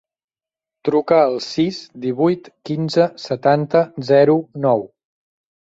Truca al sis, divuit, quinze, setanta, zero, nou.